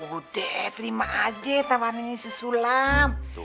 udah terima aja tawarannya susu lam